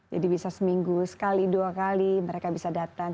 jadi bisa seminggu sekali dua kali mereka bisa datang